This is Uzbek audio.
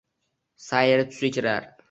suyri tusiga kirar